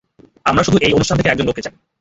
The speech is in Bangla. আমার শুধু এই অনুষ্ঠান থেকে একজন লোককে চাই।